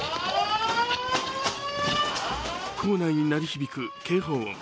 校内に鳴り響く警報音。